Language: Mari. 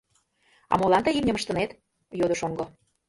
— А молан тый имньым ыштынет? — йодо шоҥго.